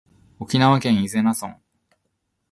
沖縄県伊是名村